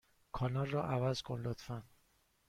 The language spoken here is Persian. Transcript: کانال را عوض کن، لطفا.